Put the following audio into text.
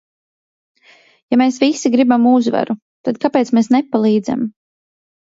Ja mēs visi gribam uzvaru, tad kāpēc mēs nepalīdzam?